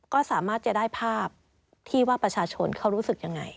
ก็สามารถจะได้ภาพที่ว่าประชาชนเขารู้สึกยังไง